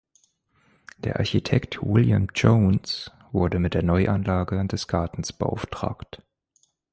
Der Architekt William Jones wurde mit der Neuanlage des Gartens beauftragt.